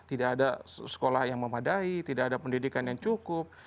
tidak ada sekolah yang memadai tidak ada pendidikan yang cukup